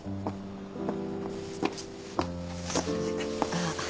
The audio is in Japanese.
ああ。